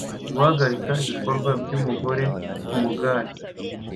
Guhagarika ibikorwa byumugore kumugare